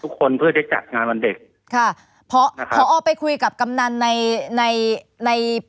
ทุกคนเพื่อจะจัดงานวันเด็กค่ะพอพอไปคุยกับกำนันในในใน